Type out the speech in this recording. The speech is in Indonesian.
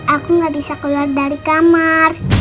aku nggak bisa keluar dari kamar